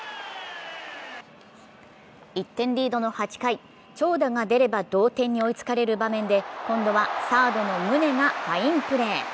１点リードの８回、長打が出れば同点に追いつかれる場面で今度はサードの宗がファインプレー。